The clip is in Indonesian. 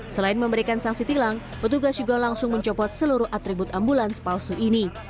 selain memberikan sanksi tilang petugas juga langsung mencopot seluruh atribut ambulans palsu ini